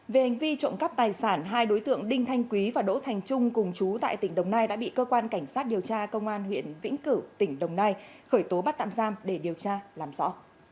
về hành vi trộm cắp tài sản hai đối tượng đinh thanh quý và đỗ thành trung cùng chú tại tỉnh đồng nai đã bị cơ quan cảnh sát điều tra công an huyện vĩnh cửu tỉnh đồng nai khởi tố bắt tạm giam để điều tra làm rõ